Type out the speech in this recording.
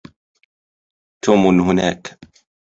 توم هناك.